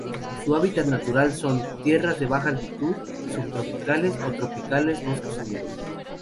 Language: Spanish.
Su hábitat natural son: tierras de baja altitud subtropicales o tropicales bosques húmedos.